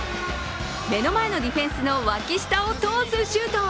目の前のディフェンスの脇下を通すシュート。